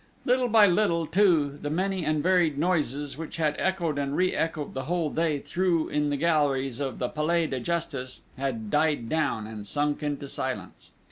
Little by little, too, the many and varied noises, which had echoed and re echoed the whole day through in the galleries of the Palais de Justice, had died down, and sunk into silence.